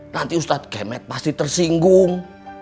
nanti ustadz gemek pasti tersinggung